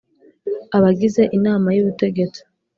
Abagize inama y ubutegetsi